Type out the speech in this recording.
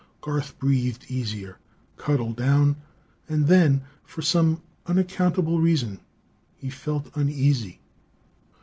Garth breathed easier, cuddled down and then, for some unaccountable reason, he felt uneasy.